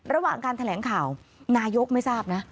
ระหว่างการแถลงข่าวนายกไม่ทราบนะ